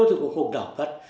tôi thì cũng không đọc thật